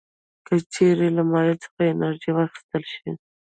که چیرې له مایع څخه انرژي واخیستل شي.